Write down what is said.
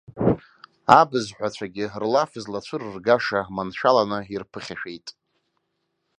Абызҳәацәагьы рлаф злацәырыргаша маншәаланы ирԥыхьашәеит.